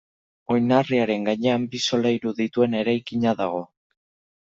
Oinarriaren gainean bi solairu dituen eraikina dago.